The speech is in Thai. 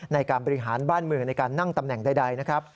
ในการบริหารบ้านเมืองในการนั่งตำแหน่งใดนะครับ